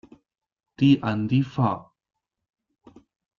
Die an die Fa.